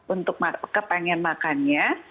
untuk kepengen makannya